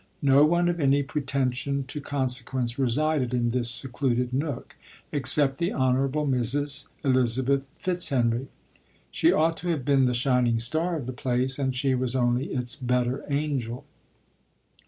No one of any pretension to consequence resided in this secluded nook, except the honourable Mrs. Elizabeth Fitzhenry ; she ought to have been the shining star of the place, and she was only its better angel.